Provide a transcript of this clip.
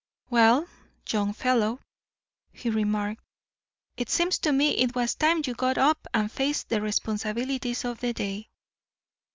"Well, young fellow," he remarked, "it seems to me it was time you got up and faced the responsibilities of the day.